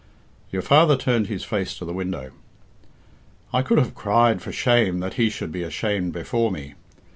Your father turned his face to the window. I could have cried for shame that he should be ashamed before me.